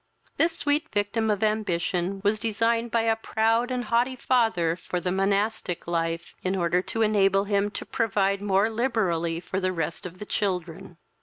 This sweet victim of ambition was designed by a proud and haughty father for the monastic life, in order to enable him to provide more liberally for the rest of the children.